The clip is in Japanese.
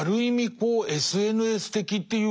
こうＳＮＳ的っていうか。